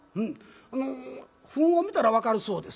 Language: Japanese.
あのフンを見たら分かるそうです。